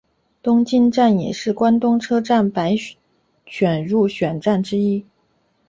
东京站也是关东车站百选入选站之一。